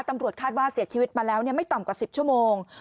ตำรวจคาดว่าเสียชีวิตมาแล้วไม่ต่ำกว่า๑๐ชั่วโมง